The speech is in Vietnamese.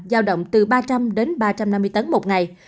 giao động từ ba trăm linh đến ba trăm năm mươi tấn một ngày